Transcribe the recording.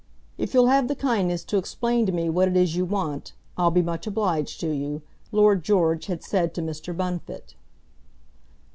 "If you'll have the kindness to explain to me what it is you want, I'll be much obliged to you," Lord George had said to Mr. Bunfit.